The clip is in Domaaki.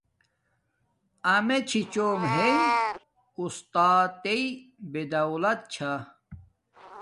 امیے چھی چوم ہݵ اُستاتݵ بدالت چھا